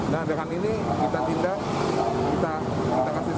nah dengan ini kita tindak kita kasih saksi pak